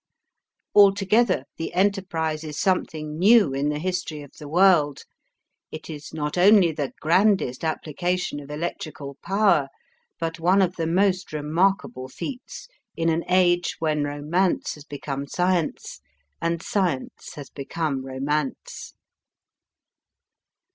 Altogether, the enterprise is something new in the history of the world. It is not only the grandest application of electrical power, but one of the most remarkable feats in an age when romance has become science, and science has become romance.